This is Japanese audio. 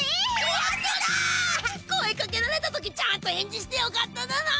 声かけられた時ちゃんと返事してよかっただな！